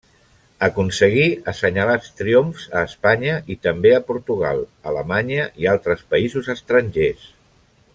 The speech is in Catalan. Aconseguí assenyalats triomfs a Espanya i també a Portugal, Alemanya i altres països estrangers.